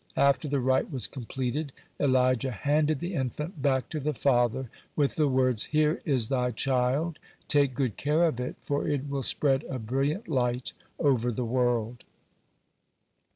After the rite was completed, Elijah handed the infant back to the father with the words: "Here is thy child. Take good care of it, for it will spread a brilliant light over the world."